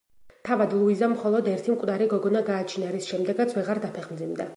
თავად ლუიზამ მხოლოდ ერთი მკვდარი გოგონა გააჩინა, რის შემდეგაც ვეღარ დაფეხმძიმდა.